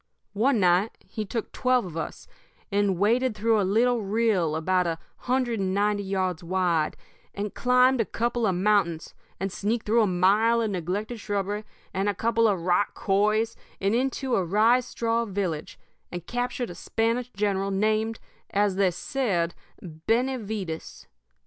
One night he took twelve of us and waded through a little rill about a hundred and ninety yards wide, and climbed a couple of mountains, and sneaked through a mile of neglected shrubbery and a couple of rock quarries and into a rye straw village, and captured a Spanish general named, as they said, Benny Veedus.